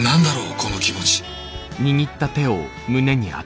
この気持ち。